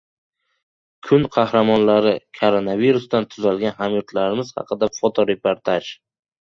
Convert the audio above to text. Kun qahramonlari. Koronavirusdan tuzalgan hamyurtlarimiz haqida fotoreportaj